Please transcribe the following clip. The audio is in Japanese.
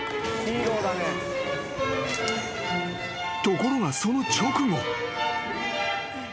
［ところがその直後］